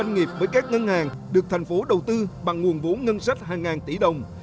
ngân hàng được tp hcm đầu tư bằng nguồn vốn ngân sách hàng ngàn tỷ đồng